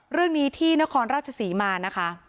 เรื่องนี้ที่นครราชศรีมานะคะ